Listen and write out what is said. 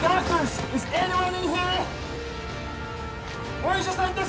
お医者さんです